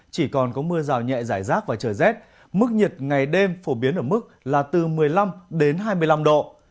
một mươi hai chỉ còn có mưa rào nhẹ rải rác và trời rét mức nhiệt ngày đêm phổ biến ở mức là từ một mươi năm đến hai mươi năm độ